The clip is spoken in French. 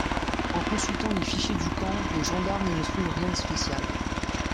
En consultant les fichiers du camp, les gendarmes ne trouvent rien de spécial.